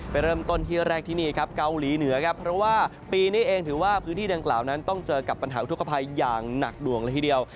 เริ่มต้นที่แรกที่นี่ครับเกาหลีเหนือครับเพราะว่าปีนี้เองถือว่าพื้นที่ดังกล่าวนั้นต้องเจอกับปัญหาอุทธกภัยอย่างหนักหน่วงละทีเดียว